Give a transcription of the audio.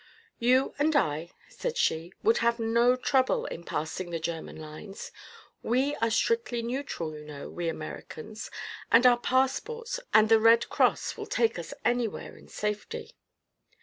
"You and I," said she, "would have no trouble in passing the German lines. We are strictly neutral, you know, we Americans, and our passports and the Red Cross will take us anywhere in safety."